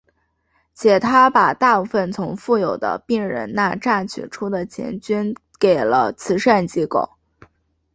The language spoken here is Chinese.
且他把大部分从富有的病人那榨取出的钱捐给了慈善机构。